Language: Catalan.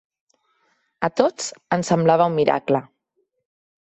A tots ens semblava un miracle.